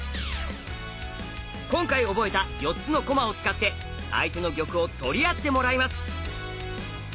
今回覚えた４つの駒を使って相手の玉を取り合ってもらいます。